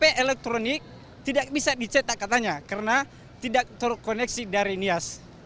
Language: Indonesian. karena ktp elektronik tidak bisa dicetak katanya karena tidak terkoneksi dari nias